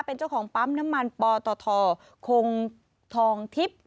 เป็นเจ้าของปั๊มน้ำมันปตทคงทองทิพย์